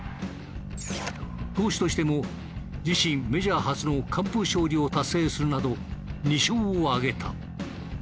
投手としても自身メジャー初の完封勝利を達成するなど２勝を挙げた。